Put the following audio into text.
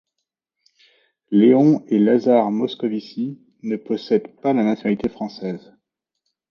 Léon et Lazare Moscovici ne possèdent pas la nationalité française.